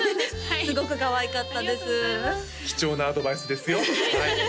すごくかわいかったですありがとうございます貴重なアドバイスですよ